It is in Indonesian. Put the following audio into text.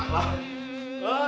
wah si allah pak